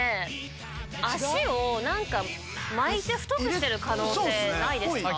脚を何か巻いて太くしてる可能性ないですか？